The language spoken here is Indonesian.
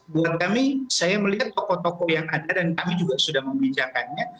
buat kami saya melihat toko toko yang ada dan kami juga sudah membincangkannya